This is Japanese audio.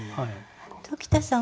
鴇田さん